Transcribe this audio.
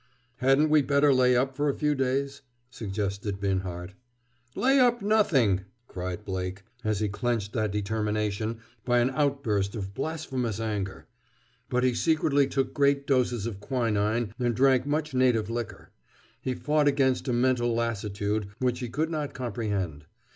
"Hadn't we better lay up for a few days?" suggested Binhart. "Lay up nothing!" cried Blake, and he clenched that determination by an outburst of blasphemous anger. But he secretly took great doses of quinin and drank much native liquor. He fought against a mental lassitude which he could not comprehend.